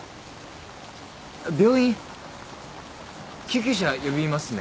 病院救急車呼びますね。